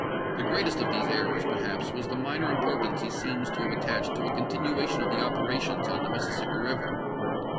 The greatest of these errors, perhaps, was the minor importance he seems to have at tached to a continuation of the operations on the Mississippi Eiver.